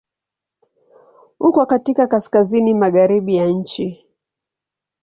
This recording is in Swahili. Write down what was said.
Uko katika kaskazini-magharibi ya nchi.